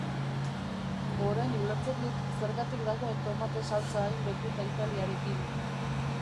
Orain ulertzen dut zergatik dagoen tomate saltsa hain lotuta Italiarekin!